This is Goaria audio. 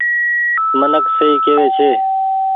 منک سئي ڪيوي ڇي۔